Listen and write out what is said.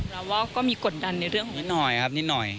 เราก็มีกดดันในเรื่องของนิดหน่อยครับนิดหน่อย